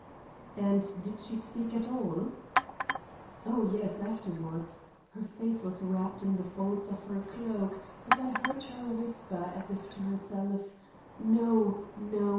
"And did she speak at all?" "Oh, yes, afterwards. Her face was wrapped in the folds of her cloak, but I heard her whisper, as if to herself: 'No! no!